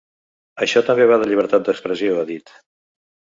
Això també va de llibertat d’expressió, ha dit.